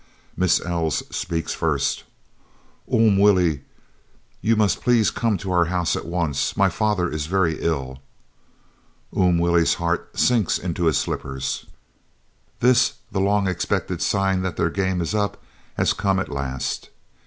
Miss Els speaks first: "Oom Willie, you must please come to our house at once. My father is very ill." Oom Willie's heart sinks into his slippers. This, the long expected sign that their game is up, has come at last.